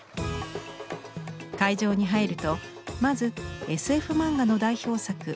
会場に入るとまずＳＦ漫画の代表作